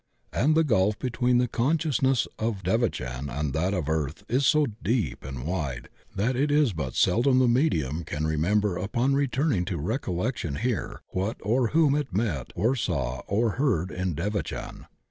And the gulf between the consciousness of devachan and that of earth is so deep and wide that it is but seldom the medium can remember upon re turning to recollection here what or whom it met or saw or heard in devachan.